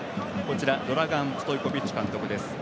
ドラガン・ストイコビッチ監督。